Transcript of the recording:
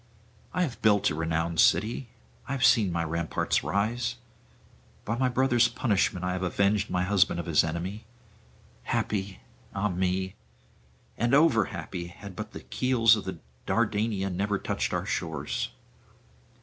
I have built a renowned city; I have seen my ramparts rise; by my brother's punishment I have avenged my husband of his enemy; happy, ah me! and over happy, had but the keels of Dardania never touched our shores!'